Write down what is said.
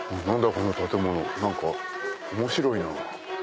この建物何か面白いな。